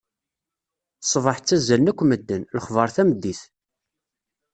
Sebeḥ ttazalen akk medden, lexbaṛ tameddit.